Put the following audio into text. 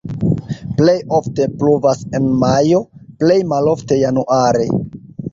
Plej ofte pluvas en majo, plej malofte januare.